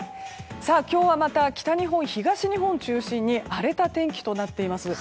今日はまた北日本、東日本を中心に荒れた天気となっています。